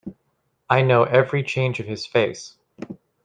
I know every change of his face.